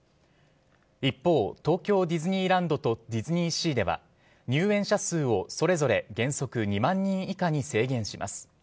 一方、東京ディズニーランドとディズニーシーでは入園者数をそれぞれ原則２万人以下に制限します。